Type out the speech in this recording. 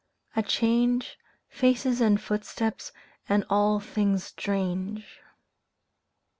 "A change, Faces and footsteps and all things strange."